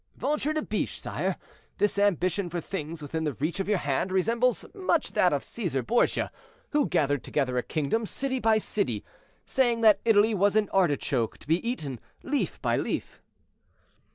"Ventre de biche, sire, this ambition for things within the reach of your hand resembles much that of Cæsar Borgia, who gathered together a kingdom, city by city; saying that Italy was an artichoke to be eaten leaf by leaf."